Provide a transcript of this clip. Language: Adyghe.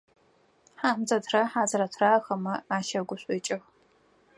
Хьамзэтрэ Хьазрэтрэ ахэмэ ащэгушӏукӏых.